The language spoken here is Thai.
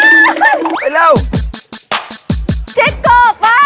เร็วเจ๊ขอบหรอ